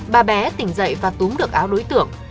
bà bé tỉnh dậy và túm được áo đối tượng